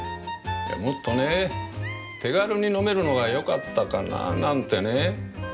もっとね手軽に飲めるのがよかったかななんてね。